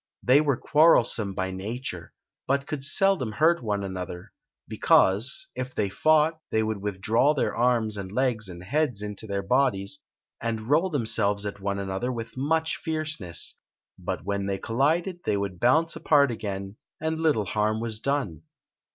They were quarrelsome by nature, but could seldom hurt one another; because, if they fought, they would withdraw their arms and legs and heads into their bodies, and roll themselves at one another with much fierceness. But when they collided they would bounce apart again, and little harm was done.